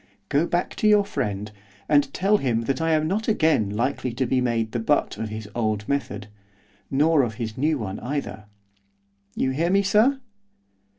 Go back to your friend, and tell him that I am not again likely to be made the butt of his old method, nor of his new one either. You hear me, sir?